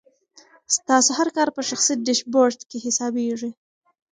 ستاسو هر کار په شخصي ډیشبورډ کې حسابېږي.